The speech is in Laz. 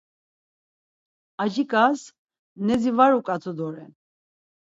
Acik̆az nedzi var uk̆at̆u doren.